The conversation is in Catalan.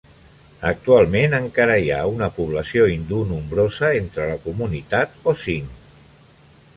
Actualment, encara hi ha una població hindú nombrosa entre la comunitat osing.